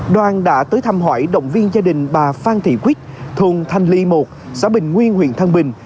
đoàn đã tới thăm hỏi động viên gia đình bà phan thị quýt thùng thanh ly i xã bình nguyên huyện thăng bình